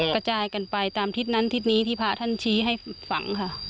กระจายกันไปตามทิศนั้นทิศนี้ที่พระท่านชี้ให้ฝังค่ะ